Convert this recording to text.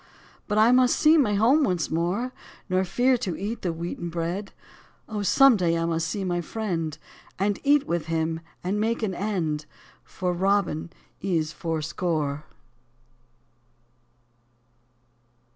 But I must see my home once more. Nor fear to eat the wheaten bread. Oh, some day I must see my friend. And eat with him, and make an end, For Robin is fourscore.